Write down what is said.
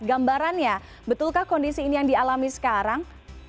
gambarannya betulkah kondisi ini yang dialami sekarang